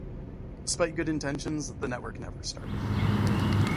Despite good intentions, the network never started.